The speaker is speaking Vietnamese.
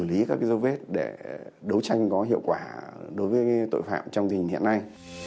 xử lý các dấu vết để đấu tranh có hiệu quả đối với tội phạm trong tình hiện nay